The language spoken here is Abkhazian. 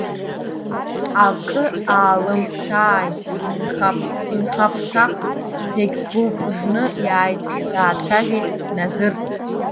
Акы алымԥсааит, инкаҳԥсаз зегь гәылпыжны иааит, даацәажәеит Назыр.